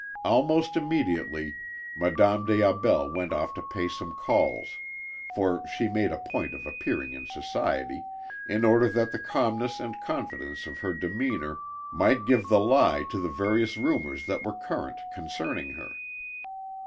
Almost immediately, Madame des Aubels went off to pay some calls, for she made a point of appearing in Society, in order that the calmness and confidence of her demeanour might give the lie to the various rumours that were current concerning her.